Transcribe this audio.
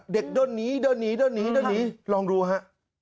เด็กเดินหนีลองดูฮะ